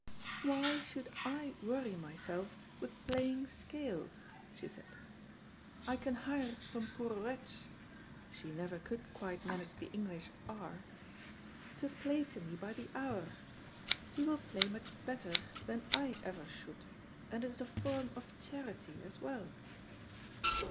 "Why should I worry myself with playing scales?" she said. "I can hire some poor wretch" (she never could quite manage the English "r") "to play to me by the hour. He will play much better than I ever should, and it is a form of charity as well."